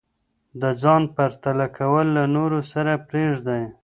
د ځان پرتله کول له نورو سره پریږدئ.